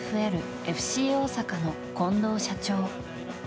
大阪の近藤社長。